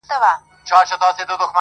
• چي غمی یې وړﺉ نه را معلومېږي..